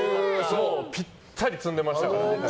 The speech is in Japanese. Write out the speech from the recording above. ぴったり積んでましたから。